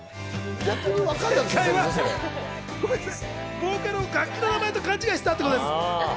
ボーカルを楽器の名前と勘違いしていたです。